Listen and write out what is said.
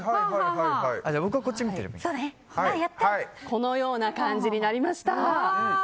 このような感じになりました。